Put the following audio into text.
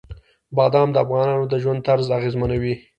بادام د افغانانو د ژوند طرز اغېزمنوي.